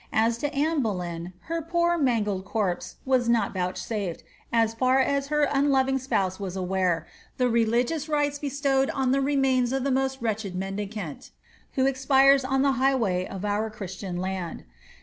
As to Anne Boleyn, her poor mangled corpse was not Touchnfed, as fiir as her unloving spouse was aware, the religious rites bestowed on the remains of the most wretched mendicant, who expires on the highway of our Christian land.